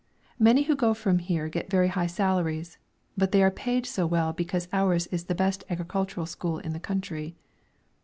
Many who go from here get very high salaries, but they are paid so well because ours is the best agricultural school in the country.